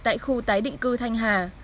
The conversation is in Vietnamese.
tại khu tái định cư thanh hà